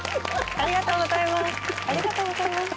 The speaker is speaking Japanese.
ありがとうございます